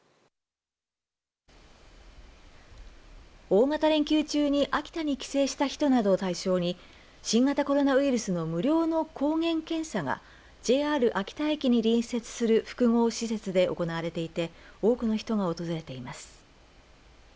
大型連休中に秋田に帰省した人などを対象に新型コロナウイルスの無料の抗原検査がＪＲ秋田駅に隣接する複合施設で行われていて多くの人が訪れています。